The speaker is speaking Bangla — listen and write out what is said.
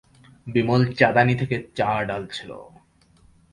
বিমল চাদানি থেকে চা ঢালছিল।